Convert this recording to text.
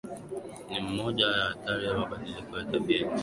Ni moja ya athari za mabadiliko ya tabia nchi